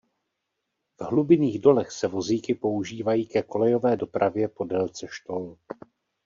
V hlubinných dolech se vozíky používají ke kolejové dopravě po délce štol.